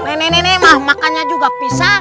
nenek nenek mah makannya juga pisang